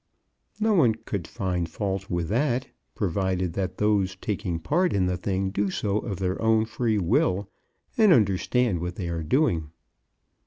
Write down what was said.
No one could find fault with that, provided that those taking part in the thing do so of their own free will and understand what they are doing.